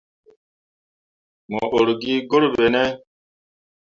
Mo ur gi gur ɓene ?